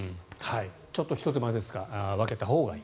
ちょっとひと手間ですが分けたほうがいい。